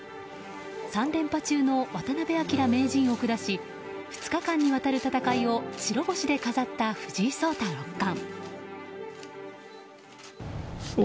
３連覇中の渡辺明名人を下し２日間にわたる戦いを白星で飾った藤井聡太六冠。